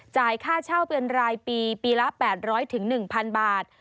ค่าเช่าเป็นรายปีปีละ๘๐๐๑๐๐บาท